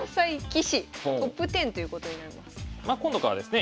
ま今度からですね